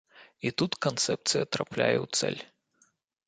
І тут канцэпцыя трапляе ў цэль.